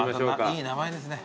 いい名前ですね。